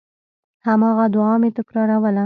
هماغه دعا مې تکراروله.